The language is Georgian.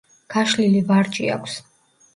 გაშლილი ვარჯი აქვს.